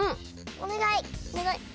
おねがい！